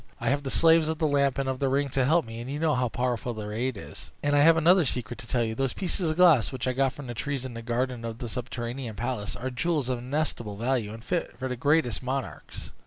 I have the slaves of the Lamp and of the Ring to help me, and you know how powerful their aid is. And I have another secret to tell you: those pieces of glass, which I got from the trees in the garden of the subterranean palace, are jewels of inestimable value, and fit for the greatest monarchs.